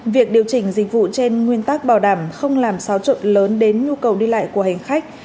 việc điều chỉnh dịch vụ trên nguyên tắc bảo đảm không làm xáo trộn lớn đến nhu cầu đi lại của hành khách